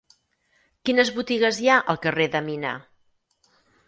Quines botigues hi ha al carrer de Mina?